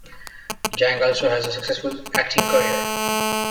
Jang also has a successful acting career.